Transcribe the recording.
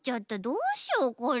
どうしようこれ。